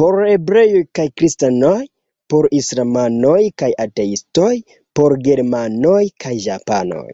Por hebreoj kaj kristanoj, por islamanoj kaj ateistoj, por germanoj kaj japanoj.